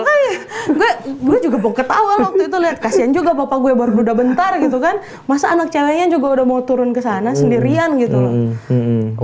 iya makanya gue juga mau ketawa waktu itu liat kasian juga bapak gue baru udah bentar gitu kan masa anak ceweknya juga udah mau turun kesana sendirian gitu loh